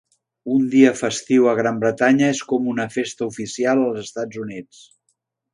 Un dia festiu a Gran Bretanya és com una festa oficial als EUA.